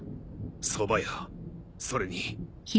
そば屋それに。